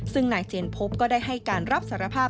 ซึ่งนายเจนพบก็ได้ให้การรับสารภาพ